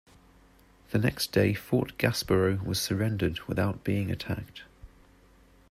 The next day Fort Gaspereau was surrendered without being attacked.